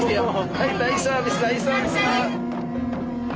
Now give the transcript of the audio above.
はい大サービス大サービスよ！